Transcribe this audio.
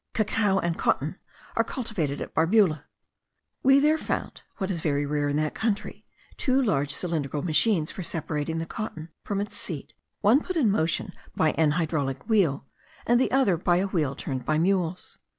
Cacao and cotton are cultivated at Barbula. We there found, what is very rare in that country, two large cylindrical machines for separating the cotton from its seed; one put in motion by an hydraulic wheel, and the other by a wheel turned by mules.